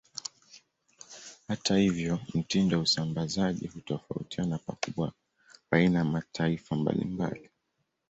Hata hivyo, mtindo wa usambazaji hutofautiana pakubwa baina ya mataifa mbalimbali.